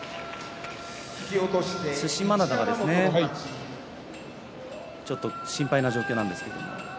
對馬洋がちょっと心配な状況なんですけど。